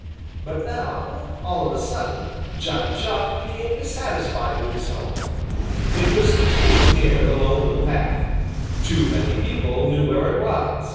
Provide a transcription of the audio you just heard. But now, all of a sudden, Johnny Chuck became dissatisfied with his home. It was too near the Lone Little Path. Too many people knew where it was.